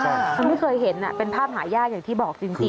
คือไม่เคยเห็นเป็นภาพหายากอย่างที่บอกจริง